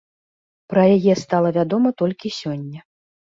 Пра яе стала вядома толькі сёння.